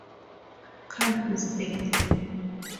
Can't mistake them.